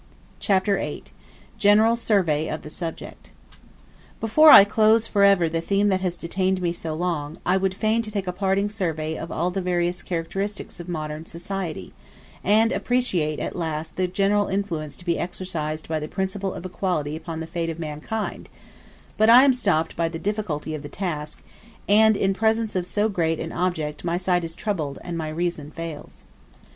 Chapter VIII: General Survey Of The Subject Before I close forever the theme that has detained me so long, I would fain take a parting survey of all the various characteristics of modern society, and appreciate at last the general influence to be exercised by the principle of equality upon the fate of mankind; but I am stopped by the difficulty of the task, and in presence of so great an object my sight is troubled, and my reason fails.